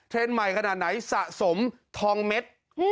ใหม่ขนาดไหนสะสมทองเม็ด